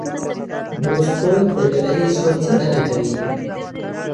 بروس کوئن د ډله ایز ژوند څېړنه کوي.